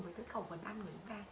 với cái khẩu phần ăn của chúng ta